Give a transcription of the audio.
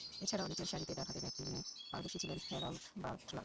এছাড়াও নিচেরসারিতে ডানহাতে ব্যাটিংয়ে পারদর্শী ছিলেন হ্যারল্ড বাটলার।